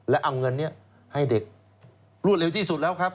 และเอาเงินนี้ให้เด็กรวดเร็วที่สุดแล้วครับ